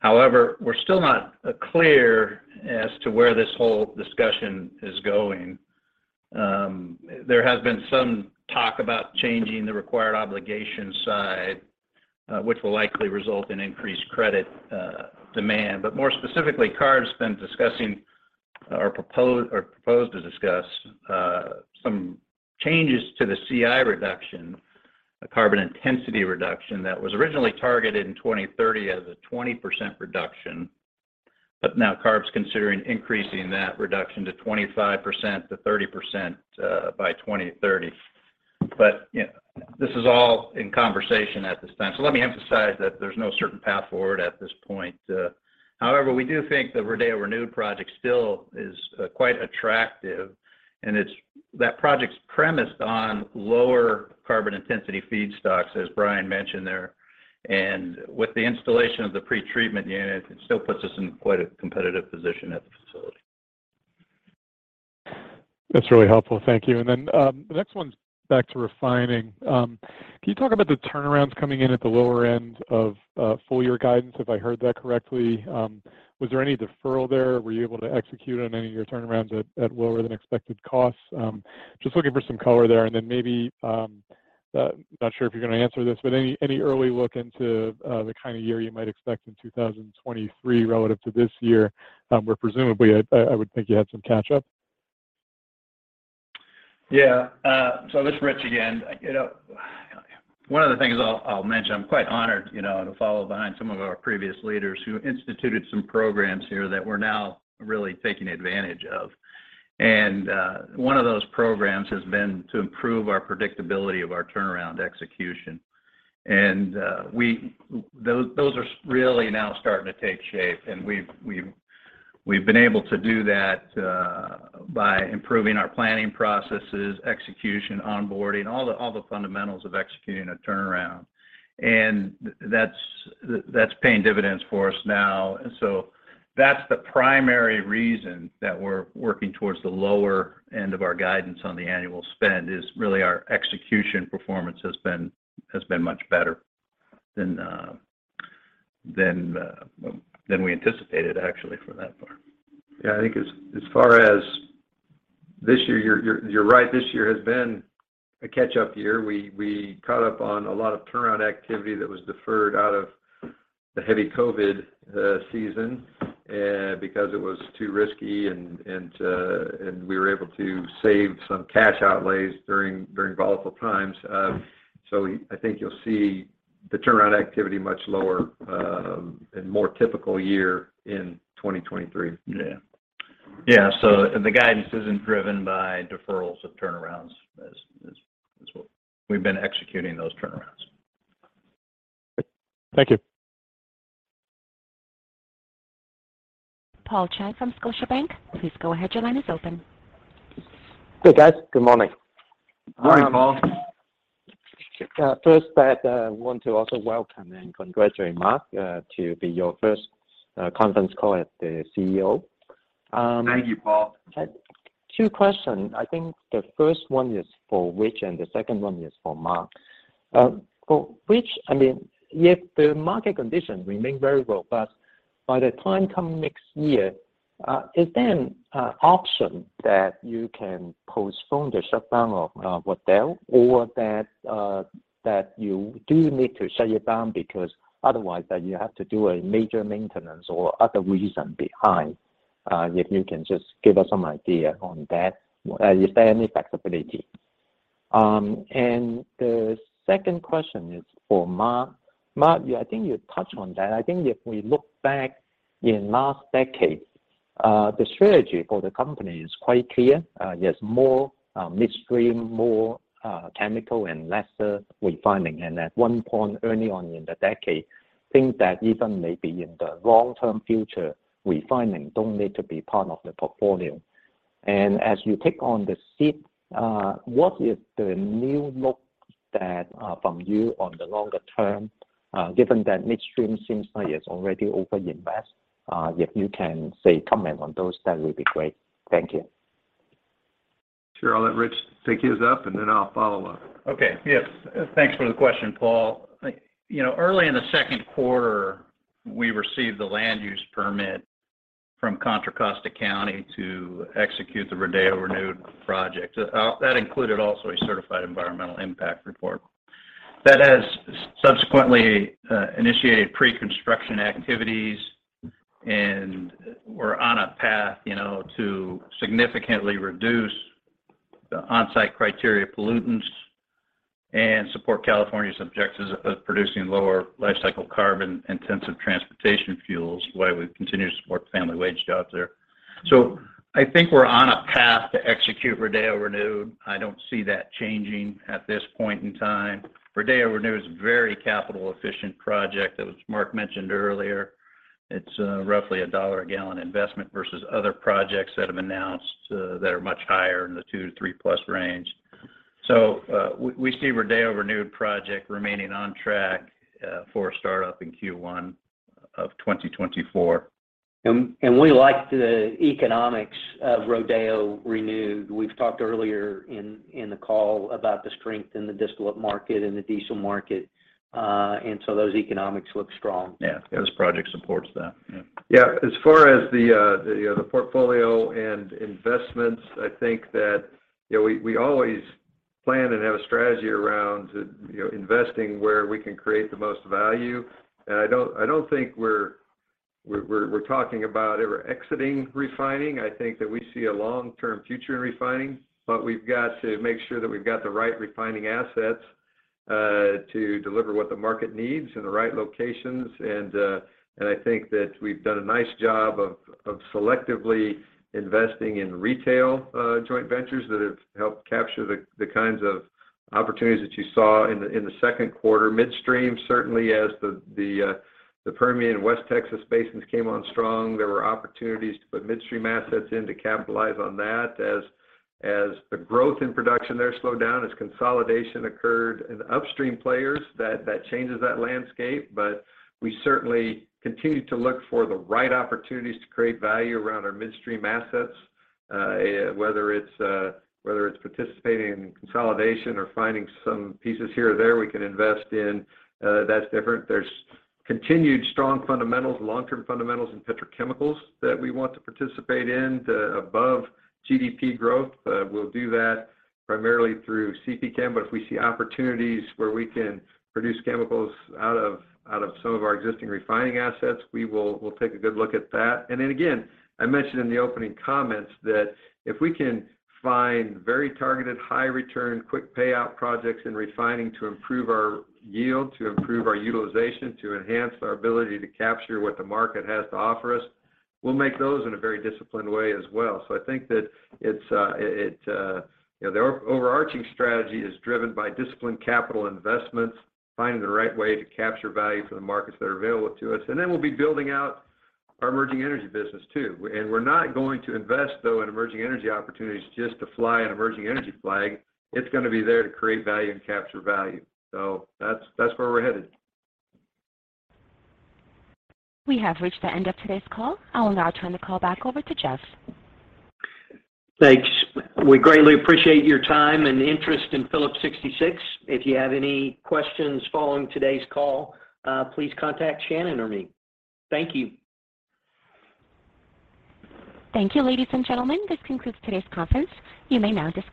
However, we're still not clear as to where this whole discussion is going. There has been some talk about changing the required obligation side, which will likely result in increased credit demand. More specifically, CARB's been discussing or proposed to discuss some changes to the CI reduction, the carbon intensity reduction, that was originally targeted in 2030 as a 20% reduction. Now CARB's considering increasing that reduction to 25%-30% by 2030. You know, this is all in conversation at this time. Let me emphasize that there's no certain path forward at this point. However, we do think the Rodeo Renewed project still is quite attractive, and it's that project's premised on lower carbon intensity feedstocks, as Brian mentioned there. With the installation of the pretreatment unit, it still puts us in quite a competitive position at the facility. That's really helpful. Thank you. The next one's back to refining. Can you talk about the turnarounds coming in at the lower end of full year guidance, if I heard that correctly? Was there any deferral there? Were you able to execute on any of your turnarounds at lower than expected costs? Just looking for some color there. Maybe, not sure if you're gonna answer this, but any early look into the kind of year you might expect in 2023 relative to this year, where presumably I would think you had some catch up? Yeah. This is Rich again. You know, one of the things I'll mention, I'm quite honored, you know, to follow behind some of our previous leaders who instituted some programs here that we're now really taking advantage of. One of those programs has been to improve our predictability of our turnaround execution. Those are really now starting to take shape. We've been able to do that by improving our planning processes, execution, onboarding, all the fundamentals of executing a turnaround. That's paying dividends for us now. That's the primary reason that we're working towards the lower end of our guidance on the annual spend is really our execution performance has been much better than we anticipated, actually, for that part. Yeah. I think as far as this year, you're right, this year has been a catch-up year. We caught up on a lot of turnaround activity that was deferred out of the heavy COVID season, because it was too risky and we were able to save some cash outlays during volatile times. I think you'll see the turnaround activity much lower, in more typical year in 2023. Yeah. The guidance isn't driven by deferrals of turnarounds. We've been executing those turnarounds. Thank you. Paul Cheng from Scotiabank. Please go ahead. Your line is open. Hey, guys. Good morning. Morning. Hi, Paul. First I'd want to also welcome and congratulate Mark Lashier to be your first conference call as the CEO. Thank you, Paul. Two questions. I think the first one is for Rich and the second one is for Mark. For Rich, I mean, if the market conditions remain very robust by the time come next year, is there an option that you can postpone the shutdown of Rodeo or that you do need to shut it down because otherwise then you have to do a major maintenance or other reason behind? If you can just give us some idea on that. Is there any flexibility? The second question is for Mark. Mark, yeah, I think you touched on that. I think if we look back in last decade, the strategy for the company is quite clear. There's more midstream, more chemical and lesser refining. At one point early on in the decade, think that even maybe in the long-term future, refining don't need to be part of the portfolio. As you take the CEO seat, what is the new outlook from you on the longer term, given that midstream seems like it's already overinvested? If you can, comment on those, that would be great. Thank you. Sure. I'll let Rich take his up, and then I'll follow up. Okay. Yes. Thanks for the question, Paul. You know, early in the second quarter, we received the land use permit from Contra Costa County to execute the Rodeo Renewed project. That included also a certified environmental impact report. That has subsequently initiated pre-construction activities, and we're on a path, you know, to significantly reduce the on-site criteria pollutants and support California's objectives of producing lower lifecycle carbon-intensive transportation fuels while we continue to support family wage jobs there. I think we're on a path to execute Rodeo Renewed. I don't see that changing at this point in time. Rodeo Renewed is a very capital-efficient project. As Mark mentioned earlier, it's roughly $1 a gallon investment versus other projects that have announced that are much higher in the $2-$3+ range. We see Rodeo Renewed project remaining on track for startup in Q1 of 2024. We like the economics of Rodeo Renewed. We've talked earlier in the call about the strength in the distillate market and the diesel market, and so those economics look strong. Yeah. This project supports that. Yeah. Yeah. As far as the you know, the portfolio and investments, I think that, you know, we always plan and have a strategy around, you know, investing where we can create the most value. I don't think we're talking about ever exiting refining. I think that we see a long-term future in refining, but we've got to make sure that we've got the right refining assets, to deliver what the market needs in the right locations. I think that we've done a nice job of selectively investing in retail, joint ventures that have helped capture the kinds of opportunities that you saw in the second quarter. Midstream, certainly as the Permian West Texas basins came on strong, there were opportunities to put midstream assets in to capitalize on that. The growth in production there slowed down, as consolidation occurred in upstream players, that changes that landscape. We certainly continue to look for the right opportunities to create value around our midstream assets, whether it's participating in consolidation or finding some pieces here or there we can invest in, that's different. There's continued strong fundamentals, long-term fundamentals in petrochemicals that we want to participate in to above GDP growth. We'll do that primarily through CPChem. If we see opportunities where we can produce chemicals out of some of our existing refining assets, we'll take a good look at that. I mentioned in the opening comments that if we can find very targeted, high return, quick payout projects in refining to improve our yield, to improve our utilization, to enhance our ability to capture what the market has to offer us, we'll make those in a very disciplined way as well. I think that it's, you know, the overarching strategy is driven by disciplined capital investments, finding the right way to capture value for the markets that are available to us. We'll be building out our emerging energy business too. We're not going to invest though in emerging energy opportunities just to fly an emerging energy flag. It's gonna be there to create value and capture value. That's where we're headed. We have reached the end of today's call. I will now turn the call back over to Jeff. Thanks. We greatly appreciate your time and interest in Phillips 66. If you have any questions following today's call, please contact Shannon or me. Thank you. Thank you, ladies and gentlemen. This concludes today's conference. You may now disconnect.